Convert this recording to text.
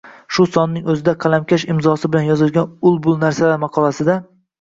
Shu sonning o'zida “Qalamkash” imzosi bilan yozilgan “Ul bul narsalar” maqolasida